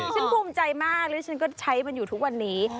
ภูมิใจมากแล้วฉันก็ใช้มันอยู่ทุกวันนี้